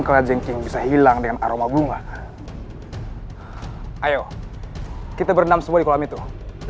kalajenggi bisa hilang dengan aroma bunga ayo kita berenam semua di kolam itu baik